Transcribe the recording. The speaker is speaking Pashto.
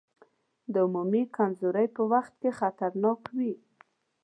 د عمومي کمزورۍ په وخت کې خطرناک وي.